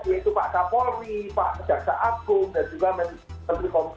yaitu pak kapolri pak jaksa agung dan juga menteri komunikasi